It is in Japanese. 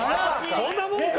そんなもんか。